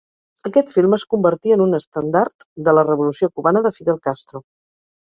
Aquest film es convertí en un estendard de la Revolució Cubana de Fidel Castro.